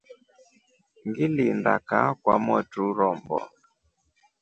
Ngilinda kaa kwa mwotru rombo.